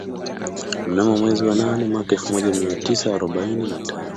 Mnamo mwezi wa nane mwaka elfu moja mia tisa arobaini na tano